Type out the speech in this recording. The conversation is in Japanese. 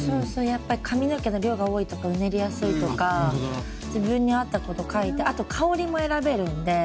やっぱ髪の毛の量が多いとかうねりやすいとか自分に合ったこと書いてあと香りも選べるんで。